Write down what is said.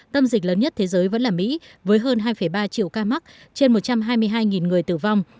tâm dịch lớn nhất thế giới vẫn là mỹ với hơn hai ba triệu ca mắc trên một trăm hai mươi hai người tử vong